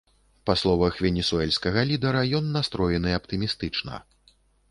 Па словах венесуэльскага лідара, ён настроены аптымістычна.